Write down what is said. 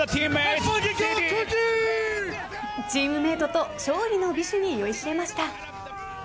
チームメートと勝利の美酒に酔いしれました。